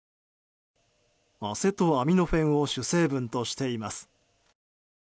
アセトアミノフェンを主成分としています。